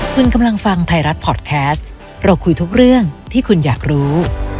คุณกำลังฟังไทยรัฐพอร์ตแคสต์เราคุยทุกเรื่องที่คุณอยากรู้